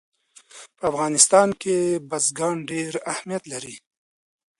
په افغانستان کې بزګان ډېر اهمیت لري.